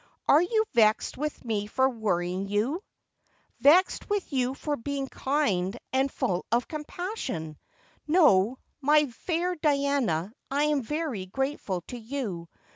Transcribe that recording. Are you vexed with me for worrying you '?'' Vexed with you for being kind and full of compa sion I Xo, my fair Diana, I am very grateful to you.